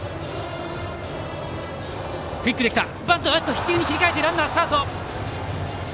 ヒッティングに切り替えてランナー、スタート！